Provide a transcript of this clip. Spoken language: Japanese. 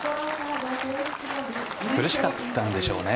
苦しかったんでしょうね